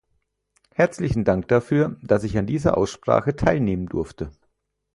Herzlichen Dank dafür, dass ich an dieser Aussprache teilnehmen durfte.